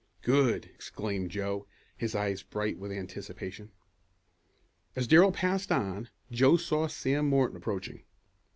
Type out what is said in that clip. "Good!" exclaimed Joe, his eyes bright with anticipation. As Darrell passed on, Joe saw Sam Morton approaching.